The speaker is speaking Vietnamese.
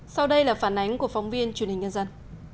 sau đây là phản ánh của phóng viên truyền hình nhân dân